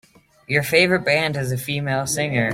Your favorite band has a female singer.